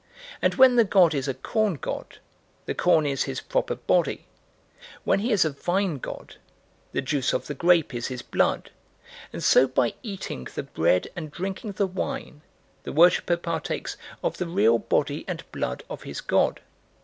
And when the god is a corn god, the corn is his proper body; when he is a vine god, the juice of the grape is his blood; and so by eating the bread and drinking the wine the worshipper partakes of the real body and blood of his god.